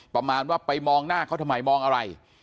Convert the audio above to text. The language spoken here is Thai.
ประมาณว่าไปมองหน้าเขาทำไมมองอะไร